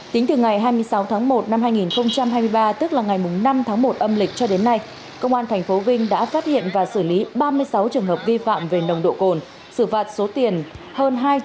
tính từ ngày hai mươi sáu tháng một năm hai nghìn hai mươi ba tức là ngày năm tháng một âm lịch cho đến nay công an tp vinh đã phát hiện và xử lý ba mươi sáu trường hợp vi phạm về nồng độ cồn xử phạt số tiền hơn hai trăm bảy mươi năm triệu đồng